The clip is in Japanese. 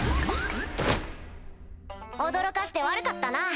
驚かして悪かったな。